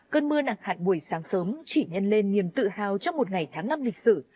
cơn mưa nặng hạt buổi sáng sớm chỉ nhân lên niềm tự hào trong một ngày tháng năm lịch sử